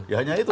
ya hanya itu